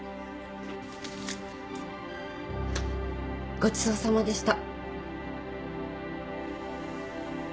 ごちそうさまでした。